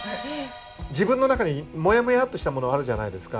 自分の中にもやもやっとしたものあるじゃないですか？